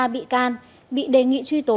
hai mươi ba bị can bị đề nghị truy tố